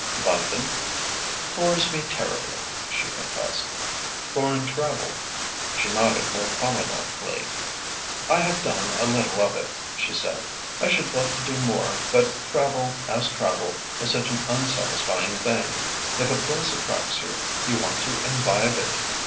"London?" "Bores me terribly," she confessed. "Foreign travel?" She nodded more tolerantly. "I have done a little of it," she said. "I should love to do more, but travel as travel is such an unsatisfying thing. If a place attracts you, you want to imbibe it.